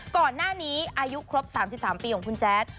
ก่อนหน้านี้อายุครบ๓๓ปีของคุณแจ๊ด